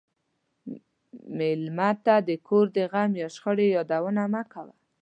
مېلمه ته د کور د غم یا شخړې یادونه مه کوه.